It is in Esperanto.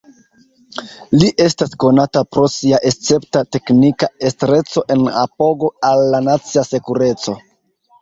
Li estas konata pro sia escepta teknika estreco en apogo al la nacia sekureco.